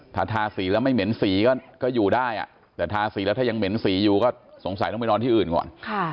ถ้าทาสีแล้วไม่เหม็นสีก็อยู่ได้แต่ทาสีแล้วถ้ายังเหม็นสีอยู่ก็สงสัยต้องไปนอนที่อื่นก่อน